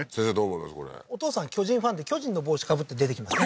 これお父さん巨人ファンで巨人の帽子かぶって出てきます